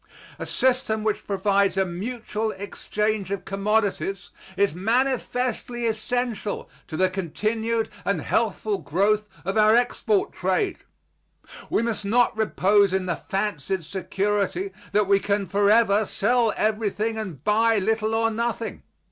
A system which provides a mutual exchange of commodities is manifestly essential to the continued and healthful growth of our export trade. We must not repose in the fancied security that we can forever sell everything and buy little or nothing.